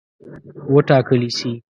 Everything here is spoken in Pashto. وټاکلي سي.